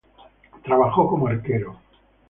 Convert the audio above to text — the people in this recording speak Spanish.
Se desempeñó como arquero.